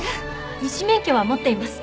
医師免許は持っています。